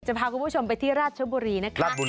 พาคุณผู้ชมไปที่ราชบุรีนะคะ